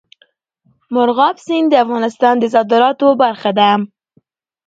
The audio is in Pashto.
مورغاب سیند د افغانستان د صادراتو برخه ده.